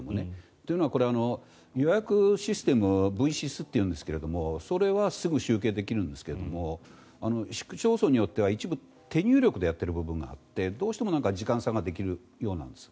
というのは、予約システムＶ−ＳＹＳというんですがそれはすぐに集計できるんですが市区町村によっては一部手入力でやっているところがあってどうしても時間差ができるようなんです。